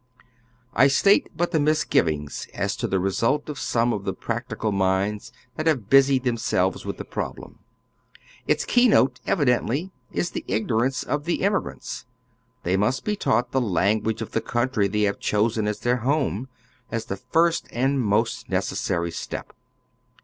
I state but the misgivings as to the re sult of some of the practical minds that have busied them selves with tlie problem. Its keynote evidently is the ignorance of the inunigrants. They must be tanght the language of the country they have chosen as their home, as the iirst and most necessary step.